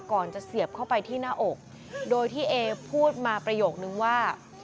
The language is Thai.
จะเสียบเข้าไปที่หน้าอกโดยที่เอพูดมาประโยคนึงว่า